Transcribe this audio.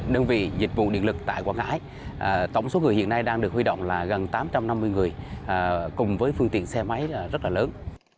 đơn vị dịch vụ điện lực tại quảng ngãi tổng số người hiện nay đang được huy động là gần tám trăm năm mươi người cùng với phương tiện xe máy rất là lớn